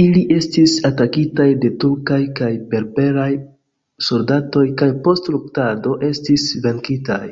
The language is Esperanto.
Ili estis atakitaj de turkaj kaj berberaj soldatoj, kaj post luktado, estis venkitaj.